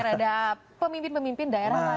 ada pemimpin pemimpin daerah lainnya